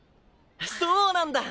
そうなんだ。